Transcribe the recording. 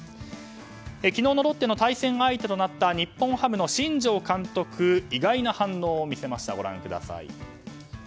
昨日のロッテの対戦相手となった日本ハムの新庄監督は意外な反応を見せました。